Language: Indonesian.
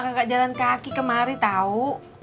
maka gak jalan kaki kemari tau